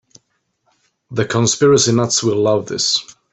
The conspiracy nuts will love this.